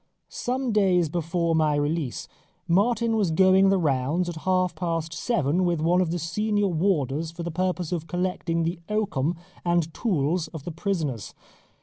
Some days before my release Martin was going the rounds at half past seven with one of the senior warders for the purpose of collecting the oakum and tools of the prisoners.